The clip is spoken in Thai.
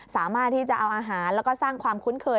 สามารถที่จะเอาอาหารแล้วก็สร้างความคุ้นเคย